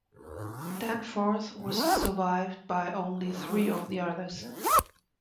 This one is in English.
Danforth was survived by only three of the others.